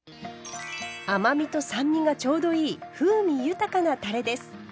甘みと酸味がちょうどいい風味豊かなたれです。